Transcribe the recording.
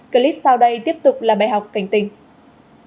clip sau đây tiếp tục là bài học cảnh tình